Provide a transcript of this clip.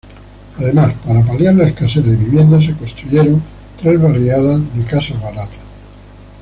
Además, para paliar la escasez de viviendas se construyeron tres barriadas de casas baratas.